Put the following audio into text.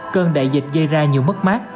cơn đại dịch dây ra nhiều mất mát